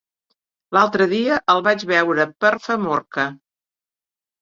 L'altre dia el vaig veure per Famorca.